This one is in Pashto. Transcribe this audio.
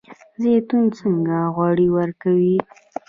زیتون څنګه غوړي ورکوي؟